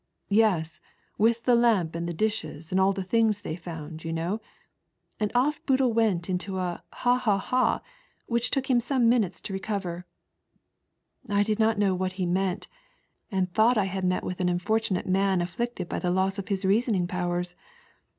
" Yes, with the lamp and the dishes, and all the things they found, you know ;" and off Boodle went into a Ha, ha, ha ! which took him some minutes to recover. I did not know what he meant, and thought I had met with an unfortunate man afflicted hy the loss of hia reasoning powers.